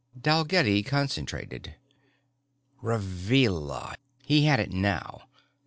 _ Dalgetty concentrated. Revilla he had it now.